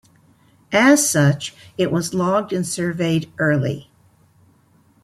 As such, it was logged and surveyed early.